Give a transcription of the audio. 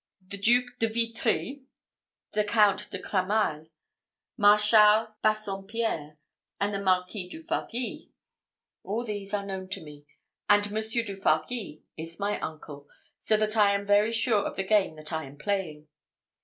The Duke de Vitry, the Count de Cramail, Marshal Bassompierre, and the Marquis du Fargis. All these are known to me; and Monsieur du Fargis is my uncle, so that I am very sure of the game that I am playing.